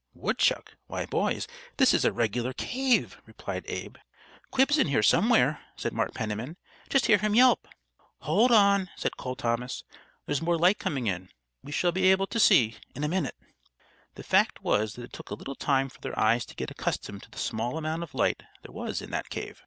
"Woodchuck? Why, boys, this is a regular cave," replied Abe. "Quib's in there, somewhere," said Mart Penniman. "Just hear him yelp!" "Hold on," said Cole Thomas "there's more light coming in. We shall be able to see, in a minute." The fact was that it took a little time for their eyes to get accustomed to the small amount of light there was in that cave.